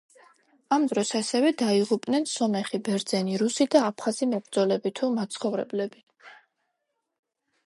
ამ დროს ასევე დაიღუპნენ სომეხი, ბერძენი, რუსი და აფხაზი მებრძოლები თუ მაცხოვრებლები.